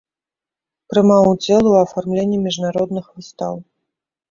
Прымаў ўдзел у афармленні міжнародных выстаў.